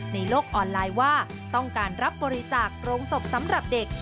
ในโลกออนไลน์ว่าต้องการรับบริจาคโรงศพสำหรับเด็ก